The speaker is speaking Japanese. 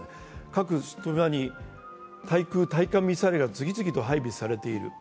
各島に対空対艦ミサイルが次々と配備されている。